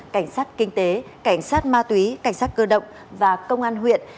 cảnh sát kinh tế cảnh sát ma túy cảnh sát cơ động và công an huyện